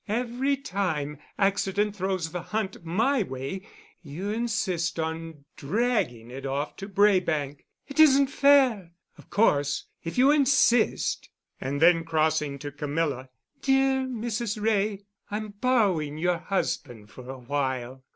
Every time accident throws the hunt my way you insist on dragging it off to Braebank. It isn't fair. Of course, if you insist——" And then, crossing to Camilla, "Dear Mrs. Wray, I'm borrowing your husband for a while.